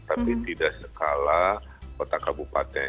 tapi tidak skala kota kabupaten